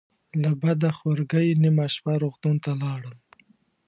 له بده خورګۍ نیمه شپه روغتون ته لاړم.